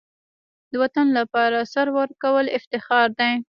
د وطن لپاره سر ورکول افتخار دی.